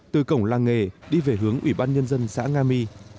từ cổng làng nghề đi về hướng ủy ban nhân dân xã nga my